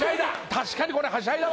確かにこれはしゃいだわ。